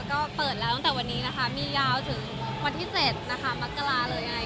ก็เปิดแล้วตั้งแต่วันนี้นะคะมียาวถึงวันที่๗นะคะมกราเลย